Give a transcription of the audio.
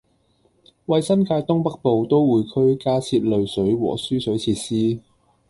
為新界東北部都會區加設濾水和輸水設施